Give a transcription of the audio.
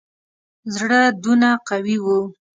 زړه دونه قوي وو.